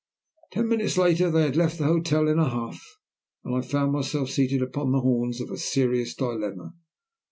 Ten minutes later they had left the hotel in a huff, and I found myself seated upon the horns of a serious dilemma.